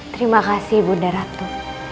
terima kasih ibu mda ratu